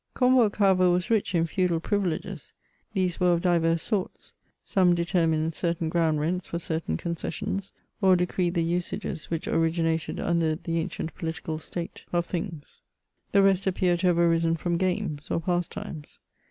Combourg, however, was rich in feudal privileges : these were of divers sorts : some determined certain ground rents for certain concessions, or decreed the usages which originated under the ancient political state of CHATEAUBRIAND. 89 tbii^. The rest appear to have arisen from games, or pad times.